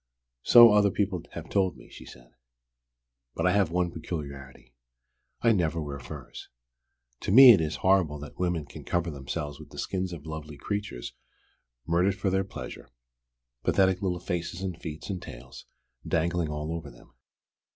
"So other people have told me," she said. "But I have one peculiarity: I never wear furs. To me it is horrible that women can cover themselves with the skins of lovely creatures murdered for their pleasure: pathetic little faces and feet and tails dangling all over them!